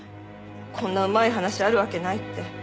こんなうまい話あるわけないって。